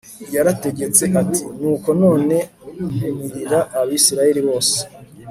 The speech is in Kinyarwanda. Yarategetse ati Nuko none ntumirira Abisirayeli bose